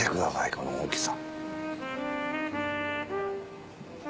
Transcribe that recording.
この大きさ。